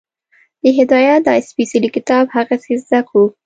د هدایت دا سپېڅلی کتاب هغسې زده کړو